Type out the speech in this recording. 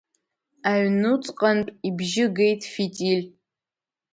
Аҩнуҵҟантә ибжьы геит Фитиль.